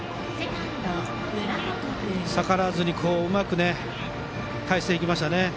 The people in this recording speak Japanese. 逆らわずにうまく返していきましたね。